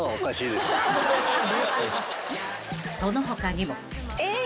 ［その他にも］